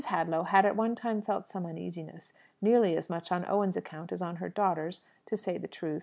Hadlow had at one time felt some uneasiness nearly as much on Owen's account as on her daughter's, to say the truth.